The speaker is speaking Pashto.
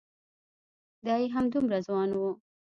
دای همدومره ځوان و.